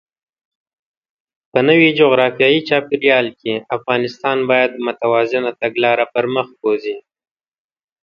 په نوي جغرافیايي چاپېریال کې، افغانستان باید متوازنه تګلاره پرمخ بوځي.